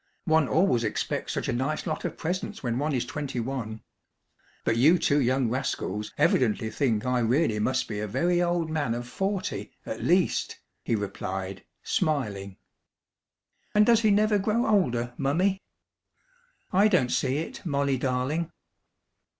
One always expects such a nice lot of presents when one is twenty one! But you two young rascals evidently think I really must be a very old man of forty at least!" he replied, smiling. "And does he never grow older, Mummy?" "I don't see it, Molly darling."